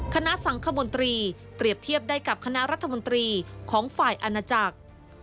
คณะสังคมนตรีเปรียบเทียบได้กับคณะรัฐมนตรีของฝ่ายอาณาจักร